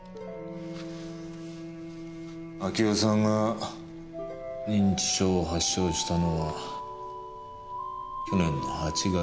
明代さんが認知症を発症したのは去年の８月。